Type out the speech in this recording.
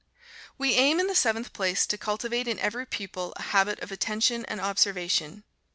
We aim, in the seventh place, to cultivate in every pupil a habit of attention and observation.